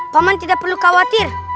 paman tidak perlu khawatir